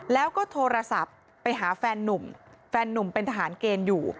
แล้วก็โทรศัพท์ไปหาแฟนนุ่มแฟนนุ่มเป็นทหารเกณฑ์อยู่